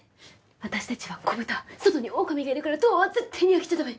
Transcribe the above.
私たちは子豚外にオオカミがいるからドアは絶対に開けちゃダメ！